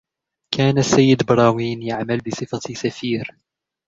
كان السيد براوين يعمل بصفة سفير.